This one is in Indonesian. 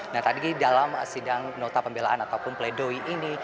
nah tadi dalam sidang nota pembelaan ataupun pledoi ini